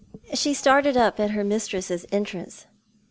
She started up at her mistress' entrance.